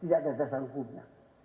tidak ada dasar hukumnya